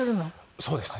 そうですね。